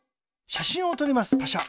しゃしんをとりますパシャ。